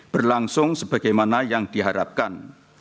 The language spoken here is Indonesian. berlangsung sebagaimana yang diharapkan